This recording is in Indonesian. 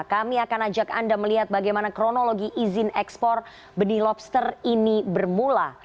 kami akan ajak anda melihat bagaimana kronologi izin ekspor benih lobster ini bermula